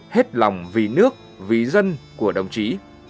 hết lòng vì nước vì dân của đồng chí